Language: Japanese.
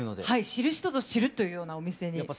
はい知る人ぞ知るというようなお店に。